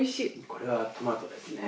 これはトマトですね。